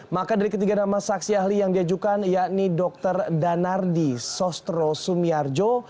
maka dari ketiga nama saksi ahli yang diajukan yakni dr danardi sostro sumiarjo